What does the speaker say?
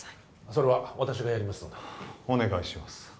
それは私がやりますのでお願いします